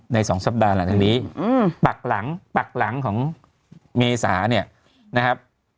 ใน๒สัปดาห์หลังนี้ภักดิ์หลังของเมษา